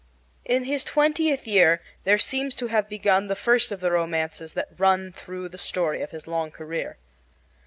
In his twentieth year there seems to have begun the first of the romances that run through the story of his long career.